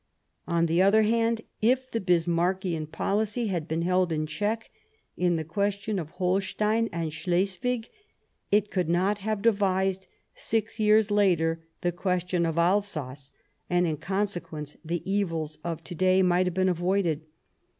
On the other hand, if the Bismarckian policy had been held in check in the question of Holstein and Slesvig, it could not have devised, six years later, the question of Alsace, and, in consequence, the evils of to day might have been avoided.